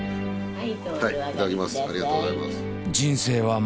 はい。